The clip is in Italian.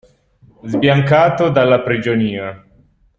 Sbiancato dalla prigionia.